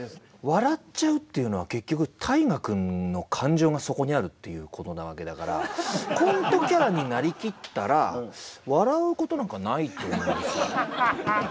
笑っちゃうっていうのは結局太賀君の感情がそこにあるっていうことなわけだからコントキャラになりきったら笑うことなんかないと思うんですよね。